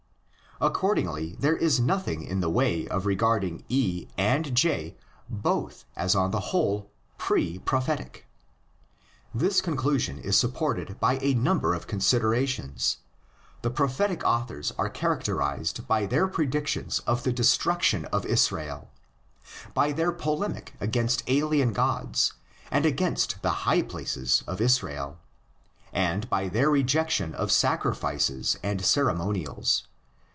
Accordingly there is nothing in the way of regarding E and J both as on the whole "pre Prophetic." This conclusion is sup ported by a number of considerations: the Prophetic authors are characterised by their predictions of the destruction of Israel, by their polemic against alien gods and against the high places of Israel, and by their rejection of sacrifices and ceremonials.